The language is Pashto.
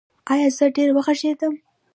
ایا زه ډیر وغږیدم؟